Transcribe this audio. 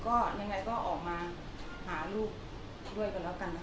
ก็ยังไงก็ออกมาหาลูกช่วยกันแล้วกันนะคะ